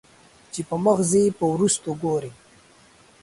چې پۀ مخ ځې په وروستو ګورې